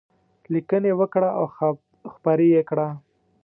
لیکنې وکړه او خپرې یې کړه.